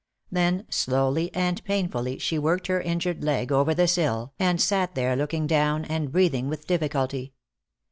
Then slowly and painfully she worked her injured leg over the sill, and sat there looking down and breathing with difficulty.